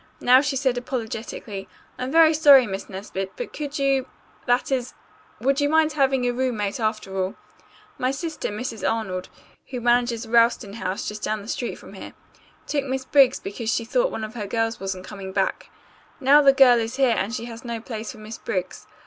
Now she said apologetically, "I'm very sorry, Miss Nesbit, but could you that is would you mind having a roommate after all? My sister, Mrs. Arnold, who manages Ralston House just down the street from here, took Miss Briggs because she thought one of her girls wasn't coming back. Now the girl is here and she has no place for Miss Briggs.